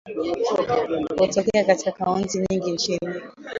Hutokea katika kaunti nyingi nchini